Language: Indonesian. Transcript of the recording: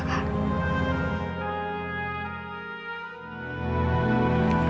milla percaya aku sama kakak